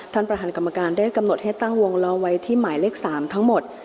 ท่านประธานกรรมการได้กำหนดให้ตั้งวงล้อไว้ที่หมายเลข๓ทั้งหมด